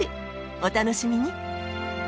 お楽しみに。